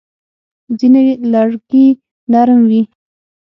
ځینې لرګي نرم وي.